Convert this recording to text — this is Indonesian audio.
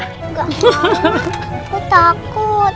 nggak aku takut